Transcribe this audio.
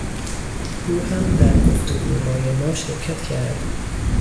او هم در گفتگوهای ما شرکت کرد.